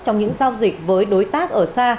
trong những giao dịch với đối tác ở xa